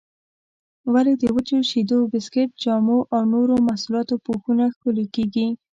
ولې د وچو شیدو، بسکېټ، جامو او نورو محصولاتو پوښونه ښکلي کېږي؟